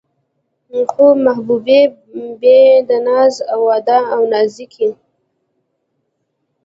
خو محبوبې يې د ناز و ادا او نازکۍ